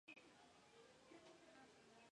Se ubica en la Calzada Ignacio Zaragoza No.